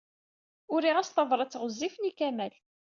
Uriɣ-as tabṛat ɣezzifen i Kamal.